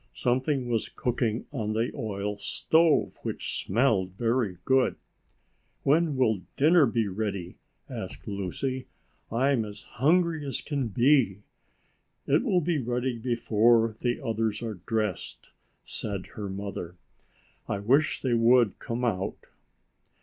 Something was cooking on the oil stove which smelled very good. "When will dinner be ready?" asked Lucy. "I am as hungry as can be." "It will be ready before the others are dressed," said her mother. "I wish they would come out."